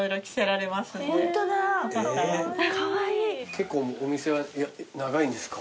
結構お店は長いんですか？